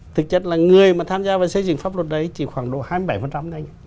thực chất là người mà tham gia vào xây dựng pháp luật đấy chỉ khoảng độ hai mươi bảy thôi